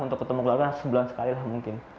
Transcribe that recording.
untuk ketemu keluarga sebulan sekali lah mungkin